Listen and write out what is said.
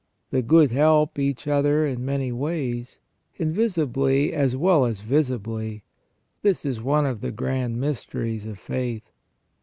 The good help each other in many ways, invisibly as well as visibly. This is one of the grand mysteries of faith.